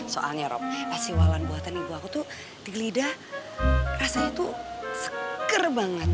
soalnya rob es siwalan buatan ibu aku tuh di gelidah rasanya tuh seker banget